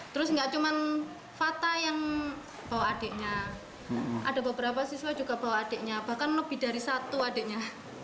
terus nggak cuman fata yang bawa adiknya ada beberapa siswa juga bawa adiknya bahkan lebih dari satu adiknya